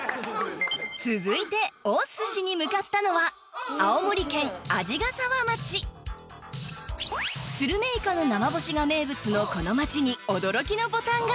続いて押っすしに向かったのはスルメイカの生干しが名物のこの町に驚きのボタンが！